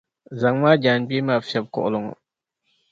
Zaŋmi a jaangbee maa n-fiεbi kuɣili ŋɔ.